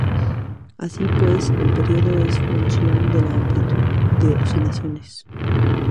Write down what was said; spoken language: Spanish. Así pues, el periodo es función de la amplitud de las oscilaciones.